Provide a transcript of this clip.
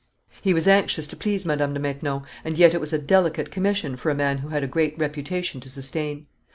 He was anxious to please Madame de Maintenon, and yet it was a delicate commission for a man who had a great reputation to sustain.